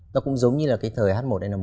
nó cũng giống như là cái thời h một n một